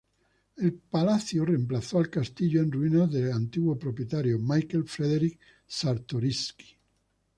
El palacio reemplazó al castillo en ruinas de antiguo propietario, Michael Frederick Czartoryski.